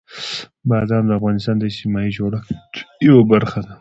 بادام د افغانستان د اجتماعي جوړښت یوه برخه ده.